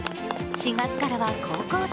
４月からは高校生。